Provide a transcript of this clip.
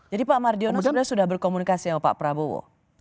jadi pak mardiono sudah berkomunikasi sama pak prabowo